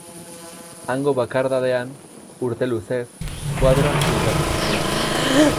Hango bakardadean, urte luzez, koadroak pintatu zituen.